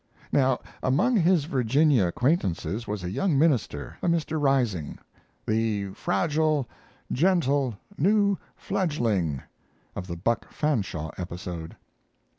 Now, among his Virginia acquaintances was a young minister, a Mr. Rising, "the fragile, gentle new fledgling" of the Buck Fanshaw episode.